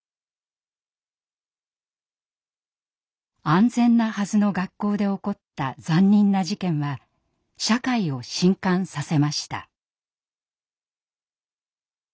安全なはずの学校で起こった残忍な事件は社会を震かんさせました。